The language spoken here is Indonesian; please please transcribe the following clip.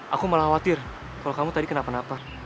aku malah khawatir kalau kamu tadi kenapa napa